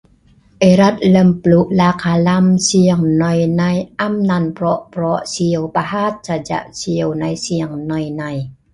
From the last ten years until now, there has been no change, just like today, until now.